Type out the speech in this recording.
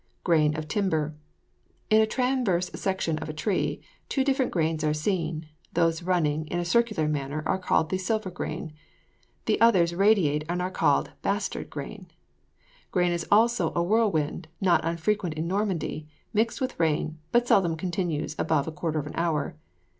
GRAIN OF TIMBER. In a transverse section of a tree, two different grains are seen: those running in a circular manner are called the silver grain; the others radiate, and are called bastard grain. Grain is also a whirlwind not unfrequent in Normandy, mixed with rain, but seldom continues above a quarter of an hour.